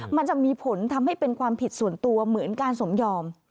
มันจะมีผลทำให้เป็นความผิดส่วนตัวเหมือนการสมยอม